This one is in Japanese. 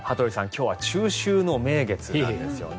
今日は中秋の名月なんですよね。